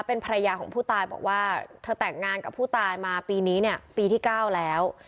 เป็นภรรยาของผู้ตายบอกว่าเธอแต่งงานกับผู้ตายมาปีนี้เนี่ยปีที่๙แล้ว